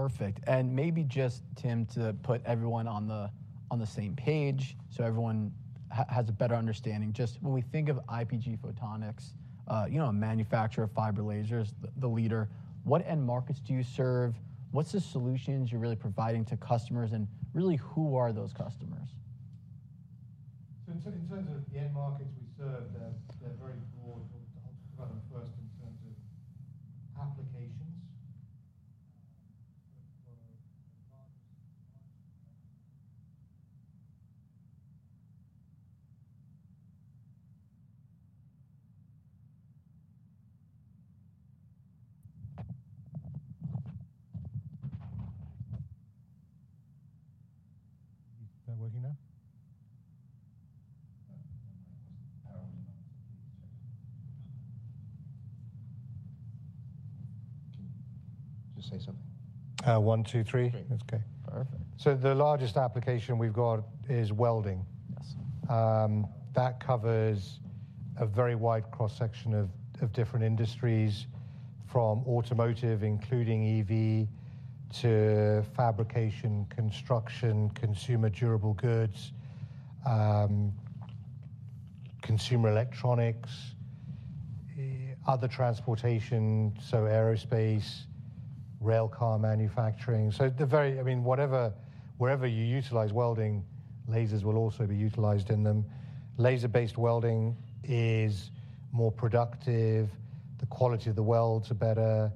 Perfect. Maybe just, Tim, to put everyone on the same page, so everyone has a better understanding. Just when we think of IPG Photonics, you know, a manufacturer of fiber lasers, the leader, what end markets do you serve? What's the solutions you're really providing to customers, and really, who are those customers? So in terms of the end markets we serve, they're, they're very broad. I'll talk about them first in terms of applications. Is that working now? Can you just say something? 1, 2, 3. Great. Okay. Perfect. The largest application we've got is welding. Yes. That covers a very wide cross-section of different industries, from automotive, including EV, to fabrication, construction, consumer durable goods, consumer electronics, other transportation, so aerospace, rail car manufacturing. So, whatever, wherever you utilize welding, lasers will also be utilized in them. Laser-based welding is more productive. The quality of the welds are better.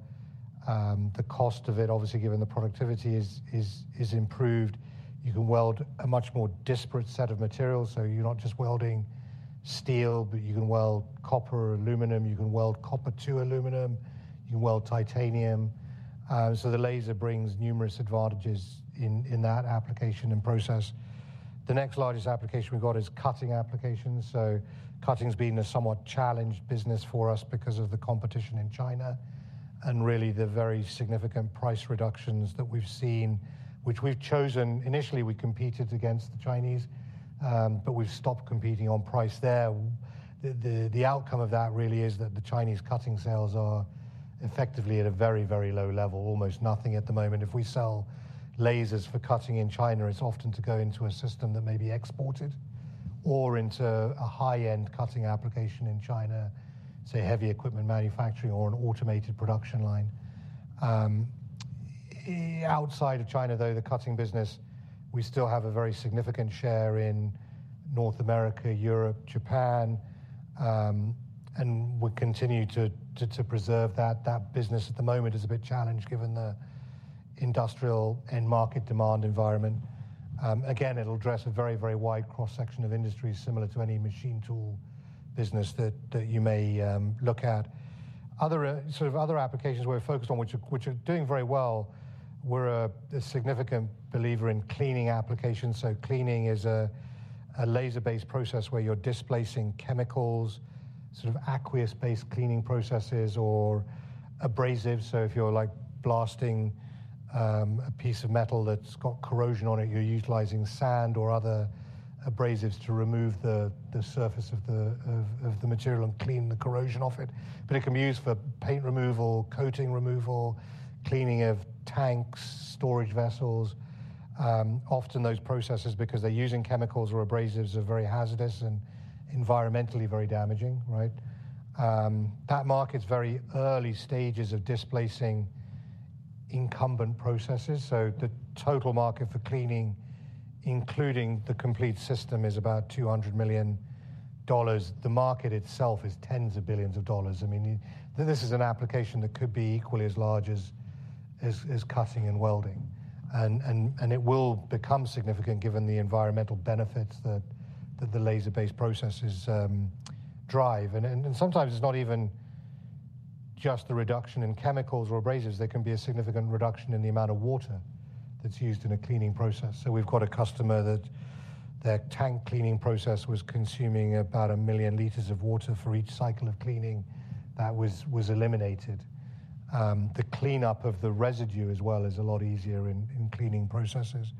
The cost of it, obviously, given the productivity is improved. You can weld a much more disparate set of materials, so you're not just welding steel, but you can weld copper, aluminum, you can weld copper to aluminum, you can weld titanium. So the laser brings numerous advantages in that application and process. The next largest application we've got is cutting applications. So cutting's been a somewhat challenged business for us because of the competition in China and really the very significant price reductions that we've seen, which we've chosen. Initially, we competed against the Chinese, but we've stopped competing on price there. The outcome of that really is that the Chinese cutting sales are effectively at a very, very low level, almost nothing at the moment. If we sell lasers for cutting in China, it's often to go into a system that may be exported or into a high-end cutting application in China, say, heavy equipment manufacturing or an automated production line. Outside of China, though, the cutting business, we still have a very significant share in North America, Europe, Japan, and we continue to preserve that. That business at the moment is a bit challenged given the industrial end market demand environment. Again, it'll address a very, very wide cross-section of industries, similar to any machine tool business that you may look at. Other sort of other applications we're focused on, which are doing very well, we're a significant believer in cleaning applications. So cleaning is a laser-based process where you're displacing chemicals, sort of aqueous-based cleaning processes or abrasives. So if you're, like, blasting a piece of metal that's got corrosion on it, you're utilizing sand or other abrasives to remove the surface of the material and clean the corrosion off it. But it can be used for paint removal, coating removal, cleaning of tanks, storage vessels. Often those processes, because they're using chemicals or abrasives, are very hazardous and environmentally very damaging, right? That market's very early stages of displacing incumbent processes, so the total market for cleaning, including the complete system, is about $200 million. The market itself is tens of billions of dollars. I mean, this is an application that could be equally as large as cutting and welding. It will become significant given the environmental benefits that the laser-based processes drive. Sometimes it's not even just the reduction in chemicals or abrasives. There can be a significant reduction in the amount of water that's used in a cleaning process. So we've got a customer that their tank cleaning process was consuming about 1 million liters of water for each cycle of cleaning. That was eliminated. The cleanup of the residue, as well, is a lot easier in cleaning processes.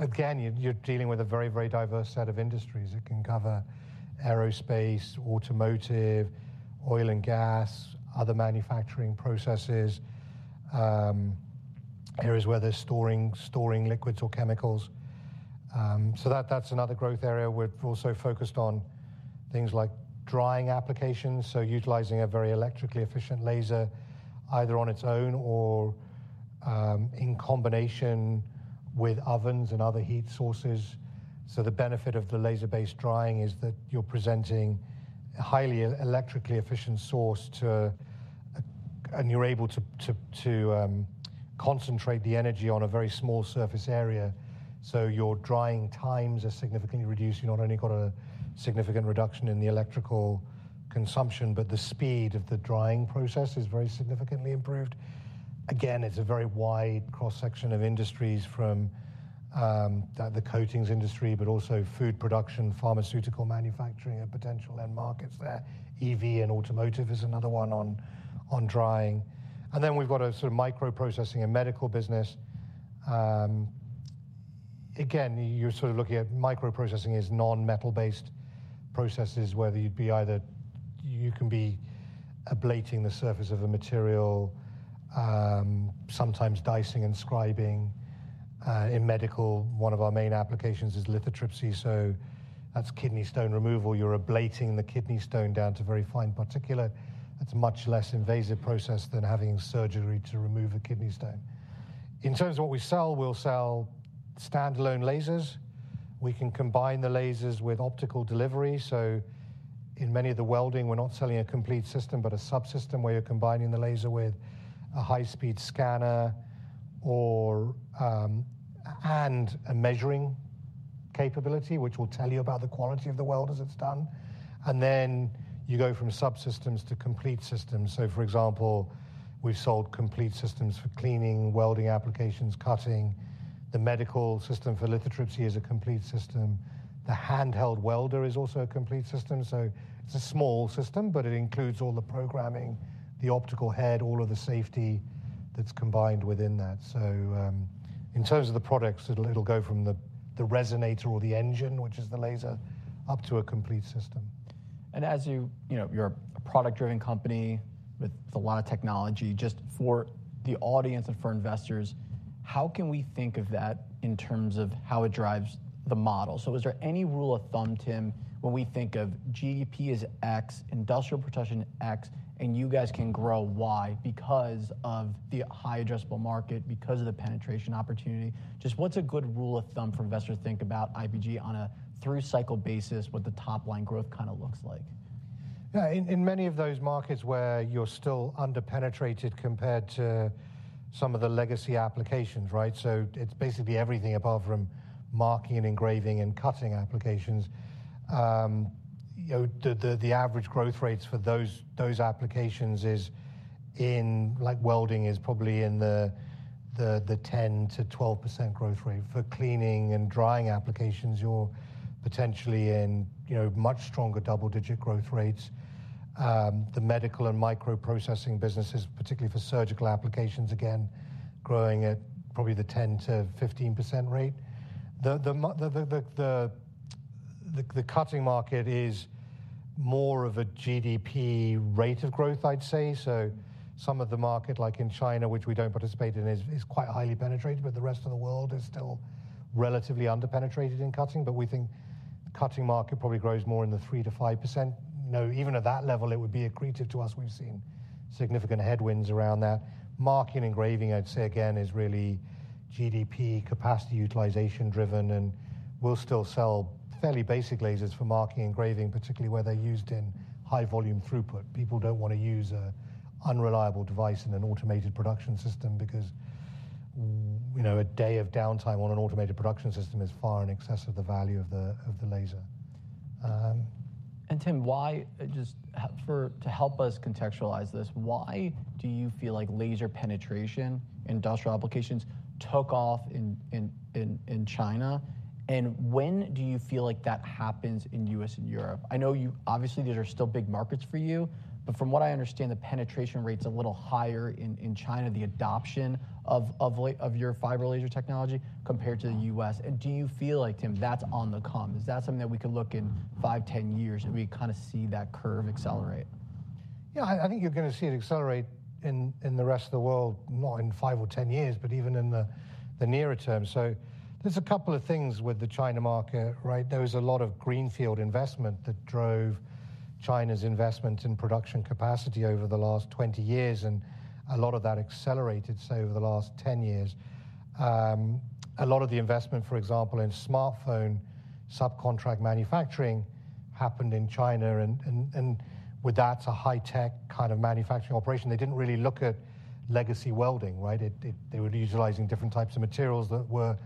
Again, you're dealing with a very, very diverse set of industries. It can cover aerospace, automotive, oil and gas, other manufacturing processes, areas where they're storing liquids or chemicals. So that, that's another growth area. We're also focused on things like drying applications, so utilizing a very electrically efficient laser, either on its own or in combination with ovens and other heat sources. So the benefit of the laser-based drying is that you're presenting a highly electrically efficient source to and you're able to concentrate the energy on a very small surface area, so your drying times are significantly reduced. You've not only got a significant reduction in the electrical consumption, but the speed of the drying process is very significantly improved. Again, it's a very wide cross-section of industries from the coatings industry, but also food production, pharmaceutical manufacturing are potential end markets there. EV and automotive is another one on drying. And then we've got a sort of microprocessing and medical business, again, you're sort of looking at microprocessing as non-metal-based processes, whether you'd be either you can be ablating the surface of a material, sometimes dicing and scribing. In medical, one of our main applications is lithotripsy, so that's kidney stone removal. You're ablating the kidney stone down to very fine particles. That's a much less invasive process than having surgery to remove a kidney stone. In terms of what we sell, we'll sell standalone lasers. We can combine the lasers with optical delivery, so in many of the welding, we're not selling a complete system, but a subsystem, where you're combining the laser with a high-speed scanner or, and a measuring capability, which will tell you about the quality of the weld as it's done. And then you go from subsystems to complete systems. So, for example, we've sold complete systems for cleaning, welding applications, cutting. The medical system for lithotripsy is a complete system. The handheld welder is also a complete system, so it's a small system, but it includes all the programming, the optical head, all of the safety that's combined within that. So, in terms of the products, it'll go from the resonator or the engine, which is the laser, up to a complete system. As you know, you're a product-driven company with a lot of technology, just for the audience and for investors, how can we think of that in terms of how it drives the model? So is there any rule of thumb, Tim, when we think of GDP is X, industrial production X, and you guys can grow Y because of the high addressable market, because of the penetration opportunity? Just what's a good rule of thumb for investors to think about IPG on a three-cycle basis, what the top-line growth kind of looks like? Yeah, in many of those markets where you're still under-penetrated compared to some of the legacy applications, right? So it's basically everything above from marking and engraving and cutting applications. You know, the average growth rates for those applications is in... like welding, is probably in the 10%-12% growth rate. For cleaning and drying applications, you're potentially in, you know, much stronger double-digit growth rates. The medical and microprocessing businesses, particularly for surgical applications, again, growing at probably the 10%-15% rate. The cutting market is more of a GDP rate of growth, I'd say. So some of the market, like in China, which we don't participate in, is quite highly penetrated, but the rest of the world is still relatively under-penetrated in cutting. But we think the cutting market probably grows more in the 3%-5%. You know, even at that level, it would be accretive to us. We've seen significant headwinds around that. Marking and engraving, I'd say again, is really GDP capacity utilization driven, and we'll still sell fairly basic lasers for marking and engraving, particularly where they're used in high volume throughput. People don't want to use an unreliable device in an automated production system because, you know, a day of downtime on an automated production system is far in excess of the value of the, of the laser. And Tim, why, just for—to help us contextualize this, why do you feel like laser penetration in industrial applications took off in China? And when do you feel like that happens in U.S. and Europe? I know you—obviously, these are still big markets for you, but from what I understand, the penetration rate's a little higher in China, the adoption of your fiber laser technology compared to the U.S. Do you feel like, Tim, that's on the come? Is that something that we could look in 5, 10 years, and we kind of see that curve accelerate? Yeah, I think you're gonna see it accelerate in the rest of the world, not in five or ten years, but even in the nearer term. So there's a couple of things with the China market, right? There was a lot of greenfield investment that drove China's investment in production capacity over the last 20 years, and a lot of that accelerated, say, over the last 10 years. A lot of the investment, for example, in smartphone subcontract manufacturing happened in China, and with that, a high-tech kind of manufacturing operation. They didn't really look at legacy welding, right? It. They were utilizing different types of materials that were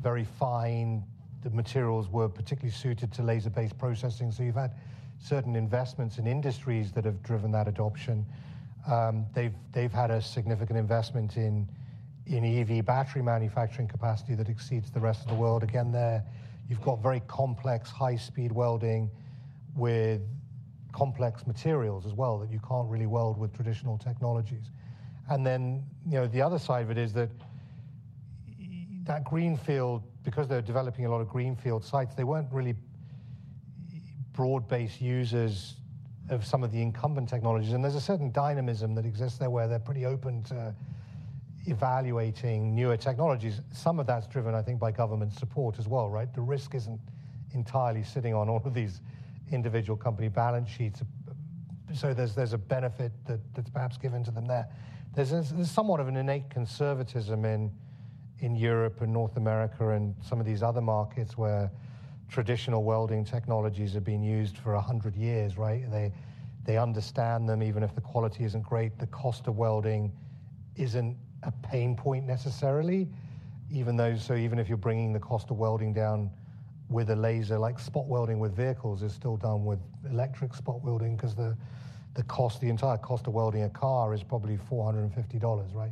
very fine. The materials were particularly suited to laser-based processing. So you've had certain investments in industries that have driven that adoption. They've had a significant investment in EV battery manufacturing capacity that exceeds the rest of the world. Again, there you've got very complex, high-speed welding with complex materials as well, that you can't really weld with traditional technologies. And then, you know, the other side of it is that, that greenfield, because they're developing a lot of greenfield sites, they weren't really broad-based users of some of the incumbent technologies. And there's a certain dynamism that exists there, where they're pretty open to evaluating newer technologies. Some of that's driven, I think, by government support as well, right? The risk isn't entirely sitting on all of these individual company balance sheets. So there's a benefit that's perhaps given to them there. There's somewhat of an innate conservatism in Europe and North America and some of these other markets, where traditional welding technologies have been used for 100 years, right? They understand them, even if the quality isn't great. The cost of welding isn't a pain point necessarily, even though... So even if you're bringing the cost of welding down with a laser, like spot welding with vehicles is still done with electric spot welding, 'cause the cost, the entire cost of welding a car is probably $450, right?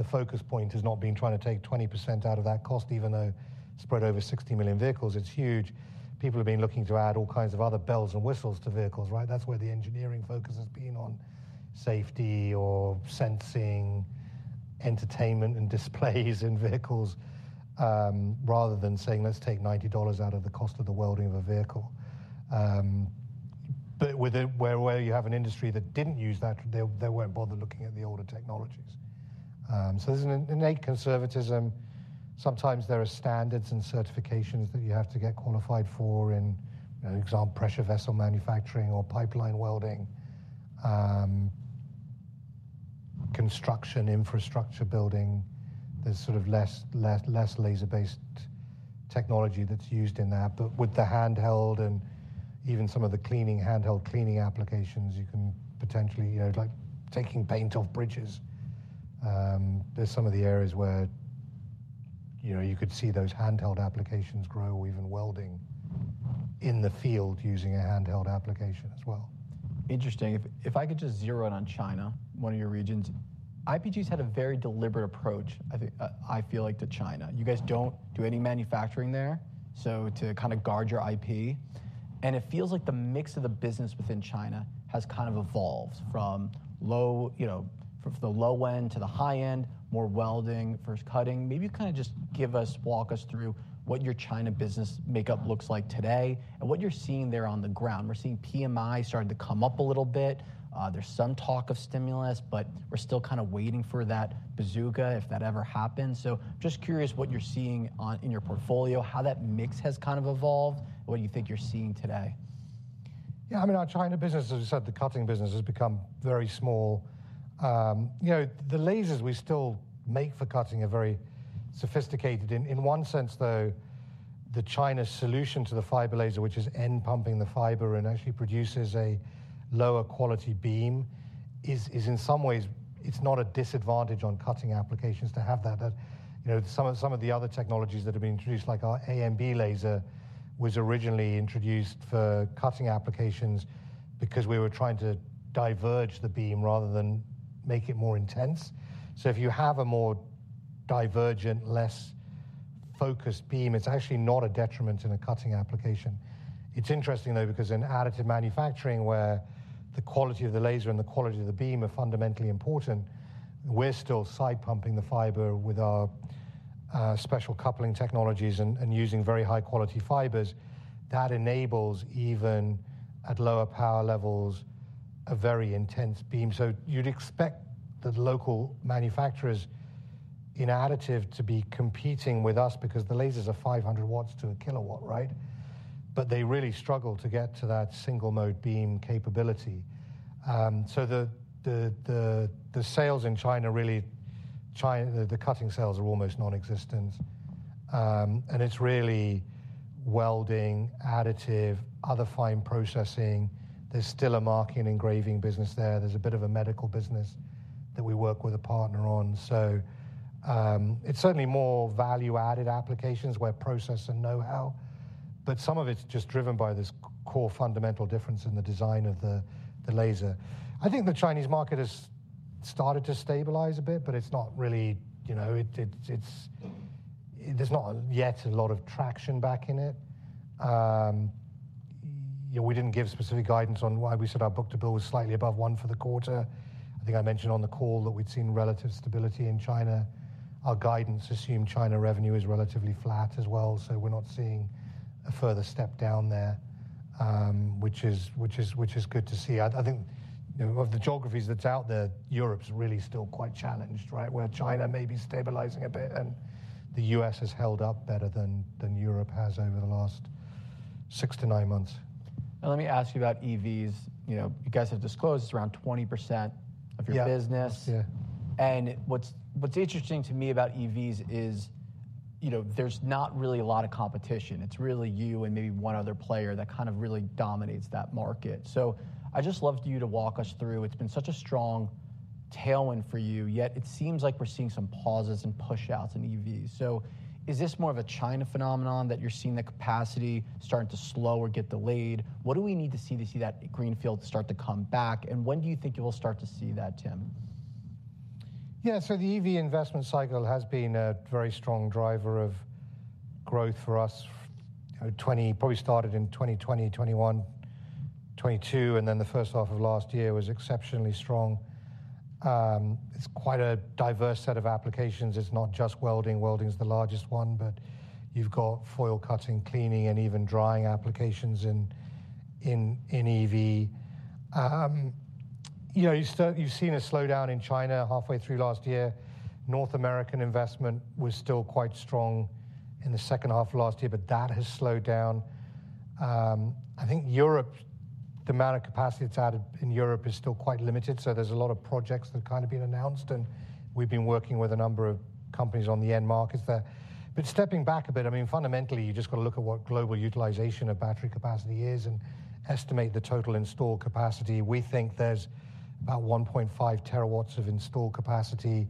The focus point has not been trying to take 20% out of that cost, even though spread over 60 million vehicles, it's huge. People have been looking to add all kinds of other bells and whistles to vehicles, right? That's where the engineering focus has been, on safety or sensing, entertainment and displays in vehicles, rather than saying, "Let's take $90 out of the cost of the welding of a vehicle." But with it, where you have an industry that didn't use that, they won't bother looking at the older technologies. So there's an innate conservatism. Sometimes there are standards and certifications that you have to get qualified for, you know, for example, pressure vessel manufacturing or pipeline welding, construction, infrastructure building. There's sort of less laser-based technology that's used in that. But with the handheld and even some of the cleaning, handheld cleaning applications, you can potentially, you know, like taking paint off bridges. There's some of the areas where, you know, you could see those handheld applications grow, or even welding in the field using a handheld application as well. Interesting. If I could just zero in on China, one of your regions. IPG's had a very deliberate approach, I think, I feel like to China. You guys don't do any manufacturing there, so to kind of guard your IP, and it feels like the mix of the business within China has kind of evolved from low... You know, from the low end to the high end, more welding, first cutting. Maybe kind of just give us, walk us through what your China business makeup looks like today and what you're seeing there on the ground. We're seeing PMI starting to come up a little bit. There's some talk of stimulus, but we're still kind of waiting for that bazooka, if that ever happens. Just curious what you're seeing in your portfolio, how that mix has kind of evolved and what you think you're seeing today? Yeah, I mean, our China business, as we said, the cutting business has become very small. You know, the lasers we still make for cutting are very sophisticated. In one sense, though, the China solution to the fiber laser, which is end pumping the fiber and actually produces a lower quality beam, is in some ways, it's not a disadvantage on cutting applications to have that. As you know, some of the other technologies that have been introduced, like our AMB laser, was originally introduced for cutting applications because we were trying to diverge the beam rather than make it more intense. So if you have a more divergent, less focused beam, it's actually not a detriment in a cutting application. It's interesting, though, because in additive manufacturing, where the quality of the laser and the quality of the beam are fundamentally important, we're still side pumping the fiber with our special coupling technologies and using very high-quality fibers. That enables, even at lower power levels, a very intense beam. So you'd expect the local manufacturers, in additive, to be competing with us because the lasers are 500 W-1 kW, right? But they really struggle to get to that single-mode beam capability. So the sales in China, really, China, the cutting sales are almost nonexistent. And it's really welding, additive, other fine processing. There's still a marking engraving business there. There's a bit of a medical business that we work with a partner on. So, it's certainly more value-added applications where process and know-how, but some of it's just driven by this core fundamental difference in the design of the laser. I think the Chinese market has started to stabilize a bit, but it's not really... You know, it's-- there's not yet a lot of traction back in it. You know, we didn't give specific guidance on why we said our book-to-bill was slightly above one for the quarter. I think I mentioned on the call that we'd seen relative stability in China. Our guidance assumed China revenue is relatively flat as well, so we're not seeing a further step down there, which is good to see. I think, you know, of the geographies that's out there, Europe's really still quite challenged, right? Where China may be stabilizing a bit, and the U.S. has held up better than Europe has over the last six to nine months. Let me ask you about EVs. You know, you guys have disclosed it's around 20% of your business. Yeah. Yeah. And what's interesting to me about EVs is, you know, there's not really a lot of competition. It's really you and maybe one other player that kind of really dominates that market. So I'd just love you to walk us through. It's been such a strong tailwind for you, yet it seems like we're seeing some pauses and pushouts in EVs. So is this more of a China phenomenon that you're seeing the capacity starting to slow or get delayed? What do we need to see to see that greenfield start to come back, and when do you think you will start to see that, Tim? Yeah. So the EV investment cycle has been a very strong driver of growth for us. You know, 2020, probably started in 2020, 2021, 2022, and then the first half of last year was exceptionally strong. It's quite a diverse set of applications. It's not just welding. Welding is the largest one, but you've got foil cutting, cleaning, and even drying applications in EV. You know, you've seen a slowdown in China halfway through last year. North American investment was still quite strong in the second half of last year, but that has slowed down. I think Europe, the amount of capacity that's added in Europe is still quite limited, so there's a lot of projects that have kind of been announced, and we've been working with a number of companies on the end markets there. But stepping back a bit, I mean, fundamentally, you've just got to look at what global utilization of battery capacity is and estimate the total installed capacity. We think there's about 1.5 TW of installed capacity.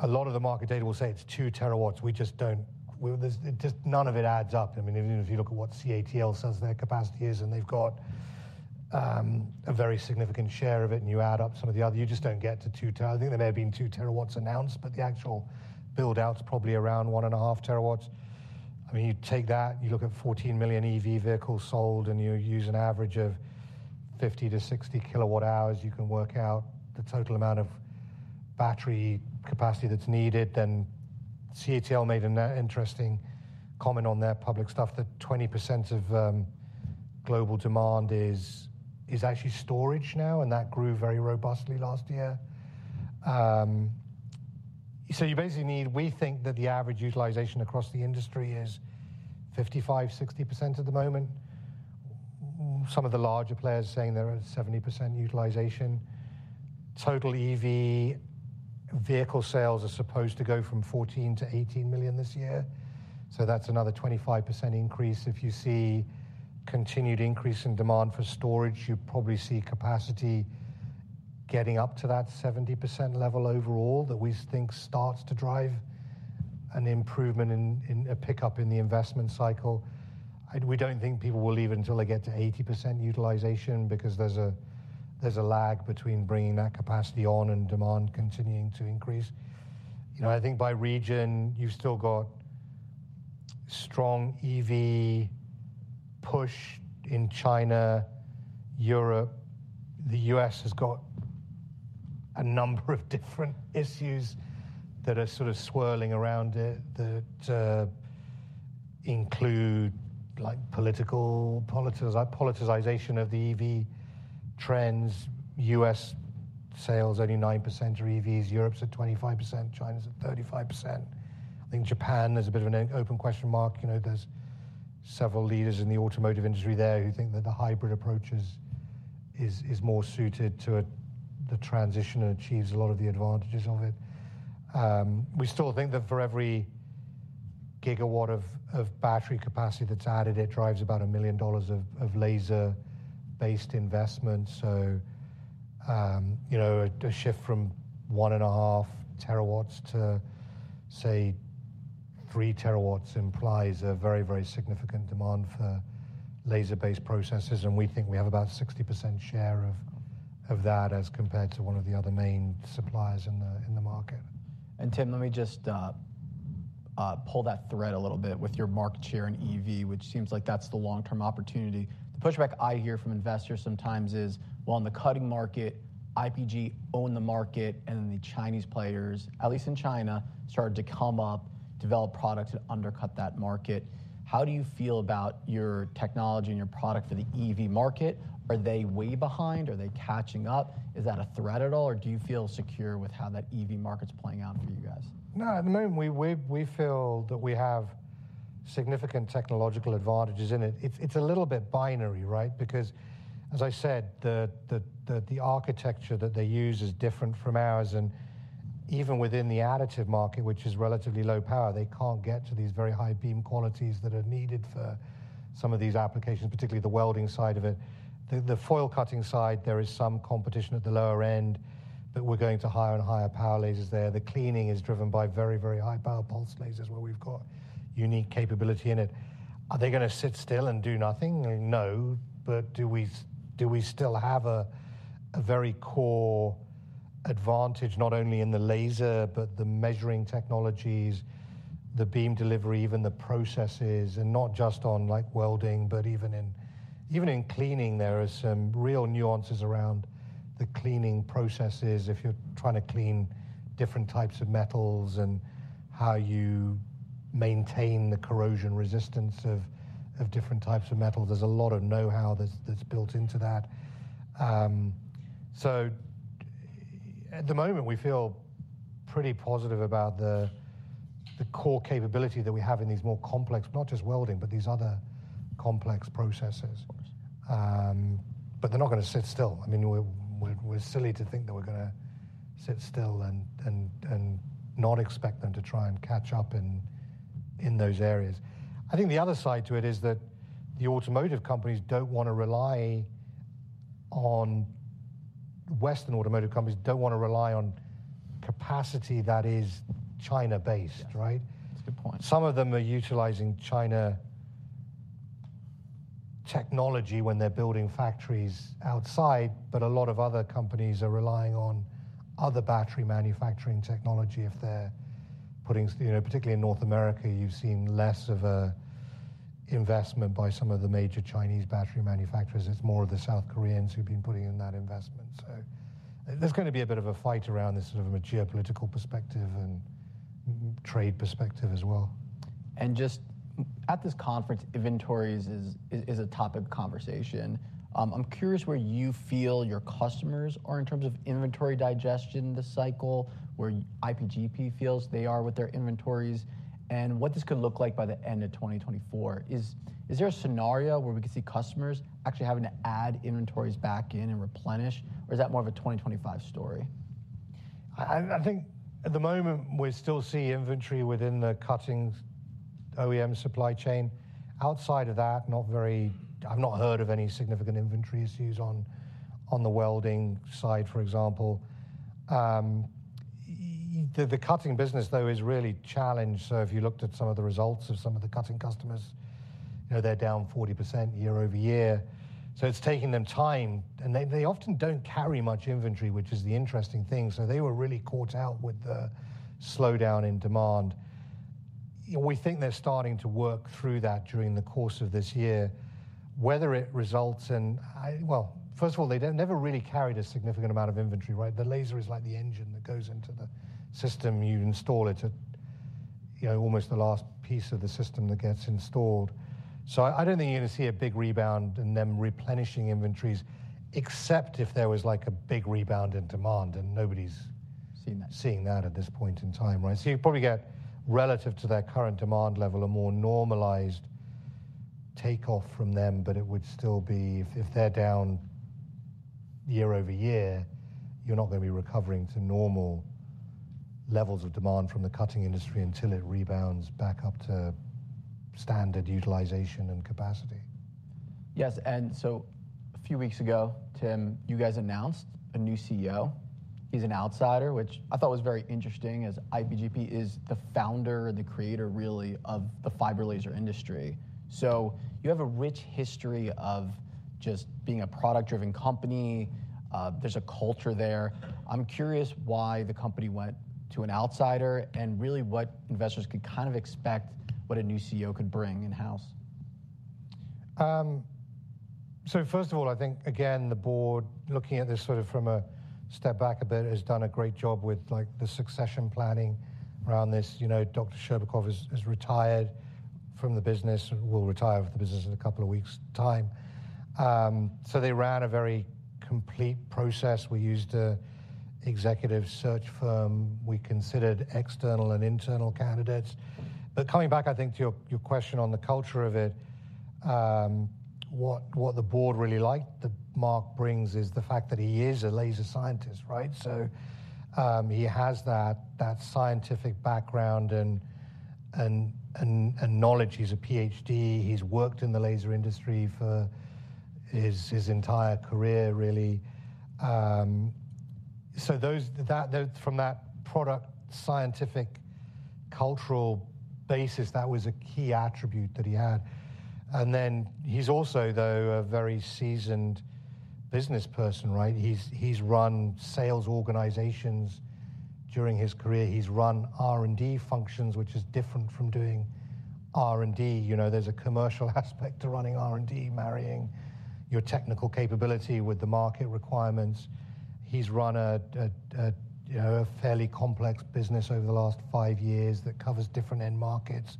A lot of the market data will say it's 2 TW. We just don't... Well, there's, just none of it adds up. I mean, even if you look at what CATL says their capacity is, and they've got, a very significant share of it, and you add up some of the other, you just don't get to 2 TW. I think there may have been 2 TW announced, but the actual build-out is probably around 1.5 TW. I mean, you take that, you look at 14 million EV vehicles sold, and you use an average of 50-60 kWh, you can work out the total amount of battery capacity that's needed, then CATL made an interesting comment on their public stuff, that 20% of global demand is actually storage now, and that grew very robustly last year. So you basically need. We think that the average utilization across the industry is 55-60% at the moment. Some of the larger players saying they're at 70% utilization. Total EV vehicle sales are supposed to go from 14-18 million this year, so that's another 25% increase. If you see continued increase in demand for storage, you probably see capacity getting up to that 70% level overall, that we think starts to drive an improvement in a pickup in the investment cycle. We don't think people will leave until they get to 80% utilization because there's a lag between bringing that capacity on and demand continuing to increase. You know, I think by region, you've still got strong EV push in China, Europe. The U.S. has got a number of different issues that are sort of swirling around it, that include like political, politicization of the EV trends. U.S. sales, only 9% are EVs. Europe's at 25%. China's at 35%. I think Japan is a bit of an open question mark. You know, there's several leaders in the automotive industry there who think that the hybrid approach is more suited to the transition and achieves a lot of the advantages of it. We still think that for every gigawatt of battery capacity that's added, it drives about $1 million of laser-based investment. So, you know, a shift from 1.5 TW to, say, 3 TW implies a very, very significant demand for laser-based processes, and we think we have about 60% share of that, as compared to one of the other main suppliers in the market. And Tim, let me just pull that thread a little bit with your market share in EV, which seems like that's the long-term opportunity. The pushback I hear from investors sometimes is, while in the cutting market, IPG own the market, and then the Chinese players, at least in China, started to come up, develop products, and undercut that market. How do you feel about your technology and your product for the EV market? Are they way behind? Are they catching up? Is that a threat at all, or do you feel secure with how that EV market's playing out for you guys? No, at the moment, we feel that we have significant technological advantages in it. It's a little bit binary, right? Because as I said, the architecture that they use is different from ours, and even within the additive market, which is relatively low power, they can't get to these very high beam qualities that are needed for some of these applications, particularly the welding side of it. The foil cutting side, there is some competition at the lower end, but we're going to higher and higher power lasers there. The cleaning is driven by very, very high power pulse lasers, where we've got unique capability in it. Are they gonna sit still and do nothing? No. But do we still have a very core advantage, not only in the laser, but the measuring technologies, the beam delivery, even the processes, and not just on, like, welding, but even in cleaning, there are some real nuances around the cleaning processes. If you're trying to clean different types of metals and how you maintain the corrosion resistance of different types of metals, there's a lot of know-how that's built into that. So at the moment, we feel pretty positive about the core capability that we have in these more complex... not just welding, but these other complex processes. But they're not gonna sit still. I mean, we're silly to think that we're gonna sit still and not expect them to try and catch up in those areas. I think the other side to it is that Western automotive companies don't wanna rely on capacity that is China-based, right? That's a good point. Some of them are utilizing Chinese technology when they're building factories outside, but a lot of other companies are relying on other battery manufacturing technology if they're putting... You know, particularly in North America, you've seen less of an investment by some of the major Chinese battery manufacturers. It's more of the South Koreans who've been putting in that investment. So there's gonna be a bit of a fight around this, sort of from a geopolitical perspective and trade perspective as well. Just at this conference, inventories is a topic of conversation. I'm curious where you feel your customers are in terms of inventory digestion this cycle, where IPGP feels they are with their inventories, and what this could look like by the end of 2024. Is there a scenario where we could see customers actually having to add inventories back in and replenish, or is that more of a 2025 story? I think at the moment, we still see inventory within the cutting OEM supply chain. Outside of that, not very... I've not heard of any significant inventory issues on, on the welding side, for example. The cutting business, though, is really challenged. So if you looked at some of the results of some of the cutting customers, you know, they're down 40% year-over-year. So it's taking them time, and they often don't carry much inventory, which is the interesting thing. So they were really caught out with the slowdown in demand.... We think they're starting to work through that during the course of this year. Whether it results in, Well, first of all, they never really carried a significant amount of inventory, right? The laser is like the engine that goes into the system. You install it at, you know, almost the last piece of the system that gets installed. So I don't think you're gonna see a big rebound in them replenishing inventories, except if there was, like, a big rebound in demand, and nobody's- Seeing that. Seeing that at this point in time, right? So you'll probably get, relative to their current demand level, a more normalized takeoff from them, but it would still be... If, if they're down year-over-year, you're not gonna be recovering to normal levels of demand from the cutting industry until it rebounds back up to standard utilization and capacity. Yes, and so a few weeks ago, Tim, you guys announced a new CEO. He's an outsider, which I thought was very interesting, as IPGP is the founder and the creator really, of the fiber laser industry. So you have a rich history of just being a product-driven company. There's a culture there. I'm curious why the company went to an outsider, and really what investors can kind of expect what a new CEO could bring in-house. So first of all, I think, again, the board, looking at this sort of from a step back a bit, has done a great job with, like, the succession planning around this. You know, Dr. Scherbakov has retired from the business, will retire from the business in a couple of weeks' time. So they ran a very complete process. We used an executive search firm. We considered external and internal candidates. But coming back, I think, to your question on the culture of it, what the board really liked that Mark brings is the fact that he is a laser scientist, right? So, he has that scientific background and knowledge. He's a Ph.D. He's worked in the laser industry for his entire career, really. So from that product, scientific, cultural basis, that was a key attribute that he had. And then he's also, though, a very seasoned business person, right? He's run sales organizations during his career. He's run R&D functions, which is different from doing R&D. You know, there's a commercial aspect to running R&D, marrying your technical capability with the market requirements. He's run a you know a fairly complex business over the last five years that covers different end markets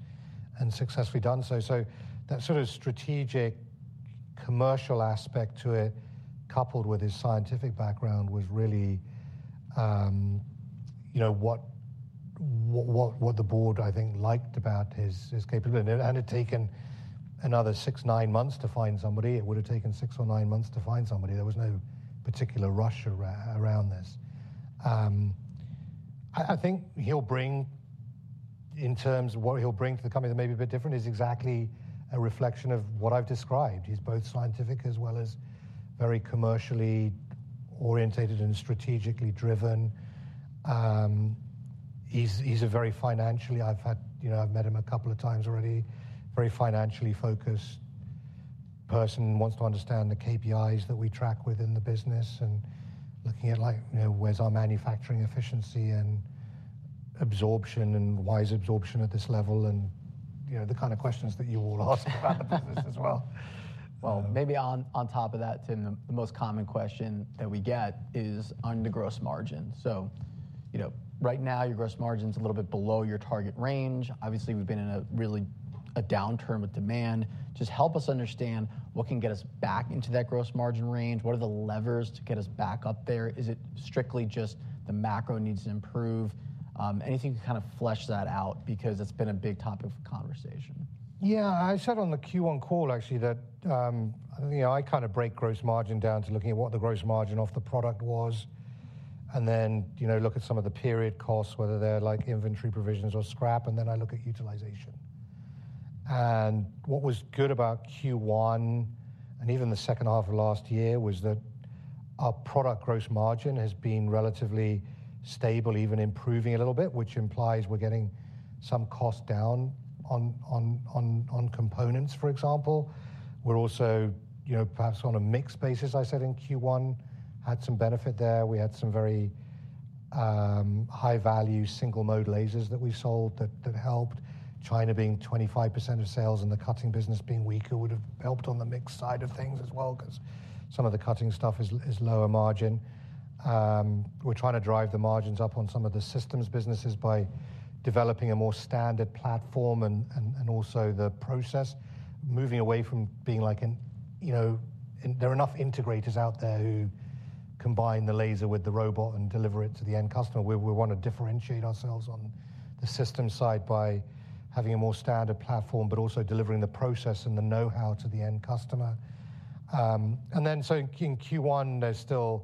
and successfully done so. So that sort of strategic commercial aspect to it, coupled with his scientific background, was really you know what the board, I think, liked about his capability. Had it taken another six, nine months to find somebody, it would have taken six or nine months to find somebody. There was no particular rush around this. I think he'll bring... In terms of what he'll bring to the company that may be a bit different, is exactly a reflection of what I've described. He's both scientific as well as very commercially oriented and strategically driven. He's a very financially focused person. I've had, you know, I've met him a couple of times already, very financially focused person, wants to understand the KPIs that we track within the business and looking at, like, you know, where's our manufacturing efficiency and absorption, and why is absorption at this level? You know, the kind of questions that you all ask about the business as well. Well, maybe on, on top of that, Tim, the most common question that we get is on the gross margin. So, you know, right now, your gross margin's a little bit below your target range. Obviously, we've been in a really, a downturn with demand. Just help us understand what can get us back into that gross margin range. What are the levers to get us back up there? Is it strictly just the macro needs to improve? Anything to kind of flesh that out, because it's been a big topic of conversation. Yeah, I said on the Q1 call, actually, that, you know, I kind of break gross margin down to looking at what the gross margin of the product was, and then, you know, look at some of the period costs, whether they're like inventory provisions or scrap, and then I look at utilization. And what was good about Q1, and even the second half of last year, was that our product gross margin has been relatively stable, even improving a little bit, which implies we're getting some cost down on components, for example. We're also, you know, perhaps on a mix basis, I said in Q1, had some benefit there. We had some very high-value single-mode lasers that we sold that helped. China being 25% of sales and the cutting business being weaker would have helped on the mix side of things as well, 'cause some of the cutting stuff is lower margin. We're trying to drive the margins up on some of the systems businesses by developing a more standard platform and also the process, moving away from being like an... You know, there are enough integrators out there who combine the laser with the robot and deliver it to the end customer. We want to differentiate ourselves on the system side by having a more standard platform, but also delivering the process and the know-how to the end customer. And then, so in Q1, there's still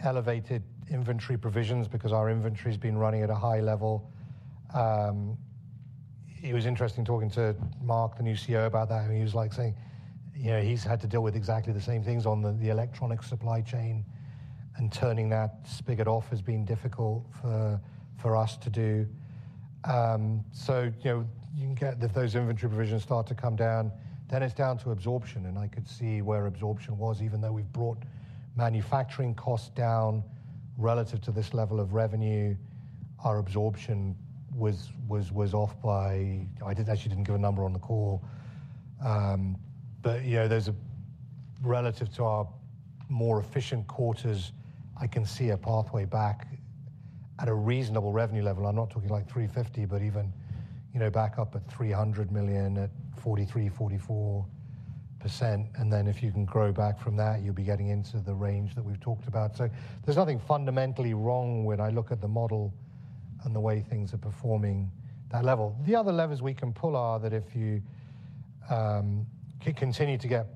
elevated inventory provisions because our inventory's been running at a high level. It was interesting talking to Mark, the new CEO, about that. He was, like, saying, you know, he's had to deal with exactly the same things on the electronic supply chain, and turning that spigot off has been difficult for us to do. So you know, you can get if those inventory provisions start to come down, then it's down to absorption, and I could see where absorption was. Even though we've brought manufacturing costs down relative to this level of revenue, our absorption was off by... I actually didn't give a number on the call. But you know, relative to our more efficient quarters, I can see a pathway back at a reasonable revenue level. I'm not talking like $350, but even, you know, back up at $300 million, at 43%-44%. And then if you can grow back from that, you'll be getting into the range that we've talked about. So there's nothing fundamentally wrong when I look at the model and the way things are performing that level. The other levers we can pull are that if you continue to get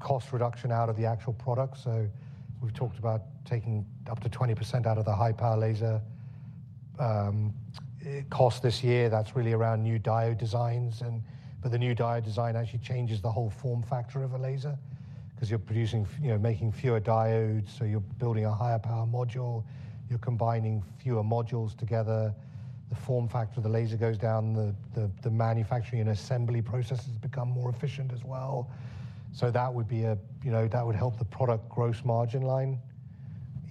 cost reduction out of the actual product, so we've talked about taking up to 20% out of the high-power laser cost this year. That's really around new diode designs, but the new diode design actually changes the whole form factor of a laser, 'cause you're producing, you know, making fewer diodes, so you're building a higher power module. You're combining fewer modules together. The form factor of the laser goes down. The manufacturing and assembly processes become more efficient as well. So that would be a, you know, that would help the product gross margin line,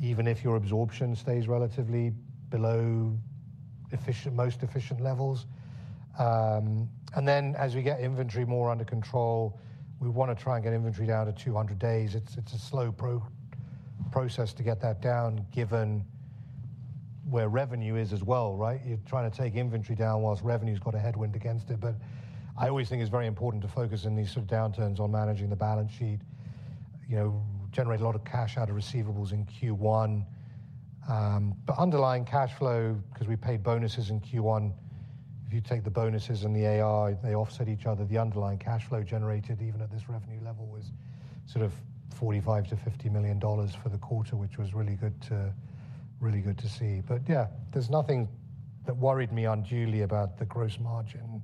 even if your absorption stays relatively below efficient, most efficient levels. And then, as we get inventory more under control, we wanna try and get inventory down to 200 days. It's a slow process to get that down, given where revenue is as well, right? You're trying to take inventory down while revenue's got a headwind against it. But I always think it's very important to focus on these sort of downturns on managing the balance sheet. You know, generate a lot of cash out of receivables in Q1. But underlying cash flow, 'cause we paid bonuses in Q1, if you take the bonuses and the AR, they offset each other. The underlying cash flow generated, even at this revenue level, was sort of $45 million-$50 million for the quarter, which was really good to see. But yeah, there's nothing that worried me unduly about the gross margin,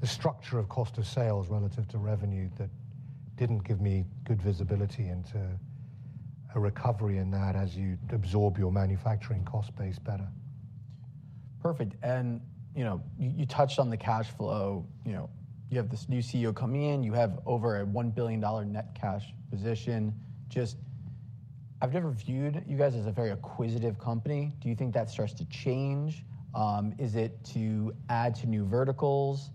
the structure of cost of sales relative to revenue, that didn't give me good visibility into a recovery in that as you absorb your manufacturing cost base better. Perfect, and you know, you touched on the cash flow. You know, you have this new CEO coming in. You have over a $1 billion net cash position. Just... I've never viewed you guys as a very acquisitive company. Do you think that starts to change? Is it to add to new verticals,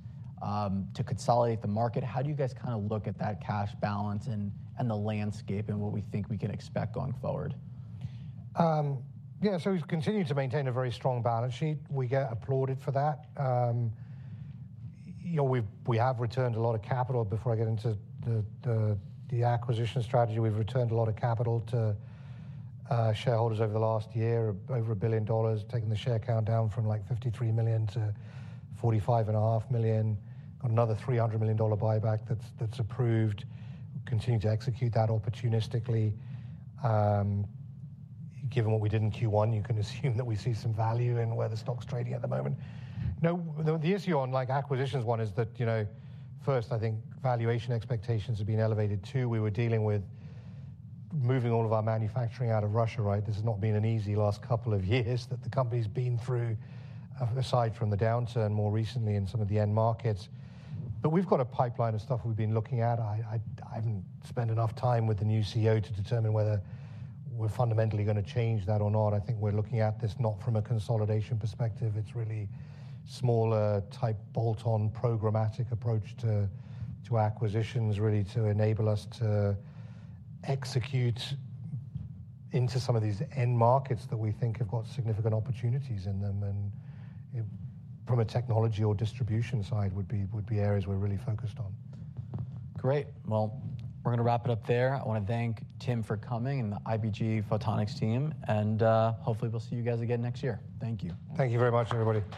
to consolidate the market? How do you guys kinda look at that cash balance and the landscape and what we think we can expect going forward? Yeah, so we've continued to maintain a very strong balance sheet. We get applauded for that. You know, we have returned a lot of capital. Before I get into the acquisition strategy, we've returned a lot of capital to shareholders over the last year, over $1 billion, taking the share count down from, like, 53 million to 45.5 million. Got another $300 million buyback that's approved. We'll continue to execute that opportunistically. Given what we did in Q1, you can assume that we see some value in where the stock's trading at the moment. Now, the issue on, like, acquisitions one is that, you know, first, I think valuation expectations have been elevated. Two, we were dealing with moving all of our manufacturing out of Russia, right? This has not been an easy last couple of years that the company's been through, aside from the downturn more recently in some of the end markets. But we've got a pipeline of stuff we've been looking at. I haven't spent enough time with the new CEO to determine whether we're fundamentally gonna change that or not. I think we're looking at this not from a consolidation perspective. It's really smaller type, bolt-on, programmatic approach to acquisitions, really to enable us to execute into some of these end markets that we think have got significant opportunities in them, and it, from a technology or distribution side, would be areas we're really focused on. Great! Well, we're gonna wrap it up there. I wanna thank Tim for coming and the IPG Photonics team, and hopefully we'll see you guys again next year. Thank you. Thank you very much, everybody.